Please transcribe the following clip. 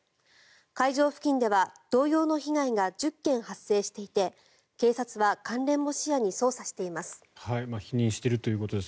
会場付近では同様の被害が１０件発生していて警察は関連も視野に捜査しています。